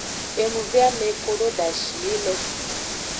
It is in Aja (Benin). Enuveame kodo dashi yi le.